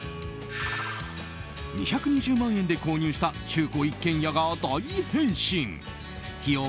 ２２０万円で購入した中古一軒家が大変身。費用